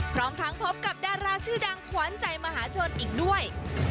พร้อมทั้งพบกับดาราชื่อดังขวานใจมหาชนอีกด้วย